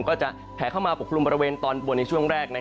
ก็จะแผลเข้ามาปกคลุมบริเวณตอนบนในช่วงแรก